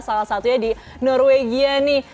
salah satunya di norwegia nih